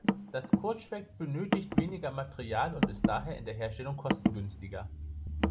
Das "Kurzschwert" benötigt weniger Material und ist daher in der Herstellung kostengünstiger.